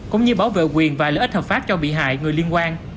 cũng như bảo vệ quyền và lợi ích hợp pháp cho bị hại người liên quan